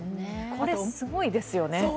これすごいですよね。